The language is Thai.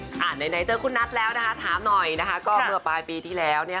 นายนายเจอกับคุณนัสถามหน่อยว่าเมื่อปลายปีที่แล้ว